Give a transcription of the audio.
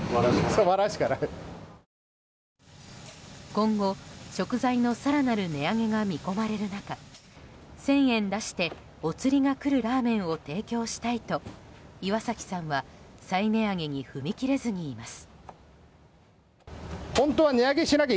今後、食材の更なる値上げが見込まれる中１０００円出してお釣りがくるラーメンを提供したいと岩崎さんは再値上げに踏み切れずにいます。